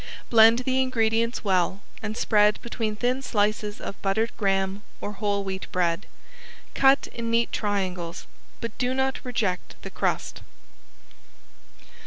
Blend the ingredients well, and spread between thin slices of buttered graham or whole wheat bread. Cut in neat triangles, but do not reject the crust.